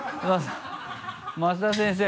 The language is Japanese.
増田先生。